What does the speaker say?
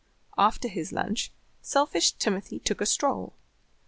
After his lunch, selfish Timothy took a stroll.